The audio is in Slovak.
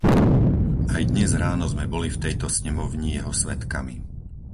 Aj dnes ráno sme boli v tejto snemovni jeho svedkami.